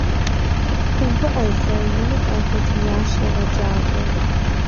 - Фыувыӏэ зэ! - ину къахэкӏиящ егъэджакӏуэр.